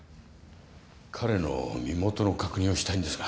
彼の身元の確認をしたいんですが。